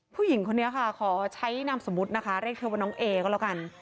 ผู้หญิงคนนี้ค่ะขอใช้นามสมมุตินะคะเรียกเธอว่าน้องเอก็แล้วกัน